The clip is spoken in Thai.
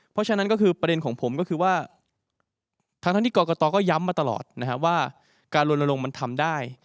เพราะฉะนั้นก็คือประเด็นของผมก็คือว่าทั้งที่กรกตก็ย้ำมาตลอดนะครับว่าการลนลงมันทำได้